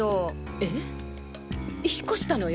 え引っ越したのよ